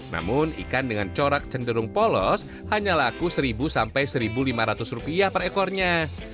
namun ikan dengan corak cenderung polos hanya laku seribu sampai seribu lima ratus rupiah per ekornya